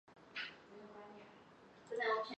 这种逻辑可以用来处理复合三段论悖论。